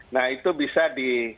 nah itu bisa di